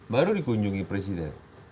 baru dikunjungi presiden